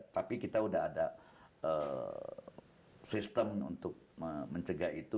tapi kita sudah ada sistem untuk mencegah itu